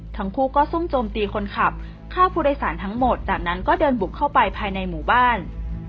ทั้งคู่ก็ซุ่มโจมตีคนขับฆ่าผู้โดยสารทั้งหมดจากนั้นก็เดินบุกเข้าไปภายในหมู่บ้าน